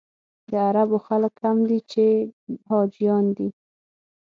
د عربو خلک کم دي چې حاجیان دي.